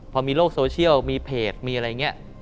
พอมีโลกโซเชียลมีเพจมีอะไรอย่างนี้